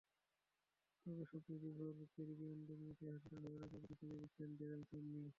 তবে স্বপ্নে বিভোর ক্যারিবীয়দের মুখের হাসিটা ধরে রাখার প্রতিশ্রুতি দিচ্ছেন ড্যারেন স্যামি।